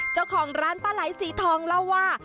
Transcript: เจ้าของร้านปลาไหลสีทองเล่าว่า